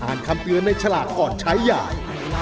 คำเตือนในฉลากก่อนใช้ใหญ่